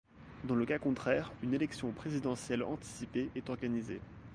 Dans le cas contraire, une élection présidentielle anticipée est organisée.